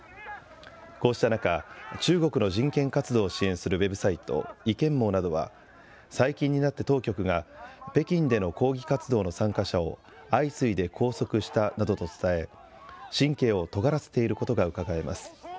こうした中、中国の人権活動を支援するウェブサイト、維権網などは、最近になって当局が、北京での抗議活動の参加者を相次いで拘束したなどと伝え、神経をとがらせていることがうかがえます。